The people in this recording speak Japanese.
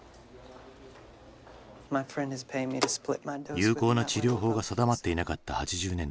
有効な治療法が定まっていなかった８０年代。